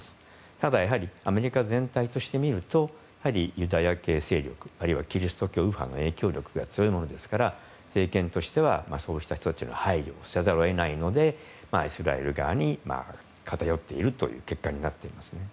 ただ、アメリカ全体として見るとユダヤ系勢力、キリスト教右派の影響力が強いものですから政権としてはそうした人たちに配慮せざるを得ないのでイスラエル側に偏っている結果になっています。